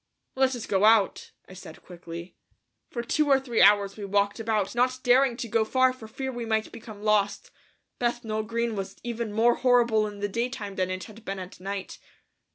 "Let us go out," I said quickly. For two or three hours we walked about, not daring to go far for fear we might become lost. Bethnal Green was even more horrible in the daytime than it had been at night.